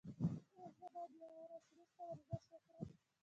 ایا زه باید یوه ورځ وروسته ورزش وکړم؟